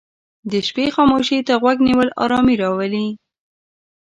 د شپې خاموشي ته غوږ نیول آرامي راولي.